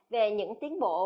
về những tiến bộ